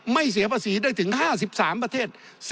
เสียภาษีได้ถึง๕๓ประเทศ